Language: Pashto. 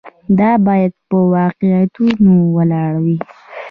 دا باید په واقعیتونو ولاړ وي.